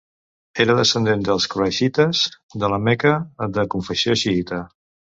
Era descendent dels quraixites de la Meca de confessió xiïta.